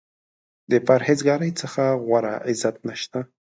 د پرهیز ګارۍ څخه غوره عزت نشته.